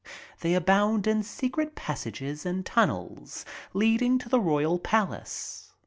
They abound in secret passages and tunnels leading up to the royal palace.